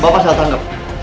bapak salah tangkap